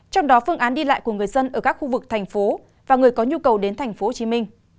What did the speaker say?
trong đó phương án đi lại của người dân ở các khu vực thành phố và người có nhu cầu đến tp hcm